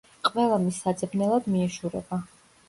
ყველა მის საძებნელად მიეშურება.